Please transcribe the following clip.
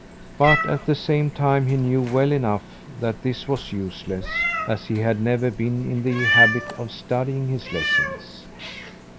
But at the same time he knew well enough that this was useless, as he had never been in the habit of studying his lessons.